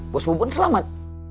bos bubun selamat